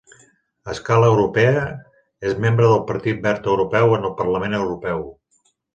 A escala europea, és membre del Partit Verd Europeu en el Parlament Europeu.